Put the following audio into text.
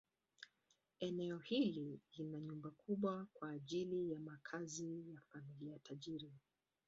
Eneo hili lina nyumba kubwa kwa ajili ya makazi ya familia tajiri.